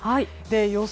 予想